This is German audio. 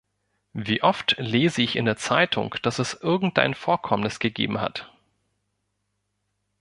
Wie oft lese ich in der Zeitung, dass es irgendein Vorkommnis gegeben hat.